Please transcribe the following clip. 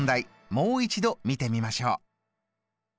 もう一度見てみましょう。